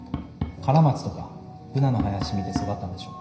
カラマツとかブナの林見て育ったんでしょ。